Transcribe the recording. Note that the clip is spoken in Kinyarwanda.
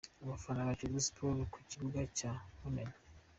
Abafana ba Kiyovu Sport ku kibuga cya Mumena.